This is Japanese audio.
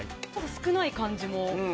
少ない感じも。